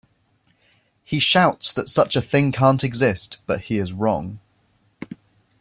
He shouts that such a thing can't exist, but he is wrong.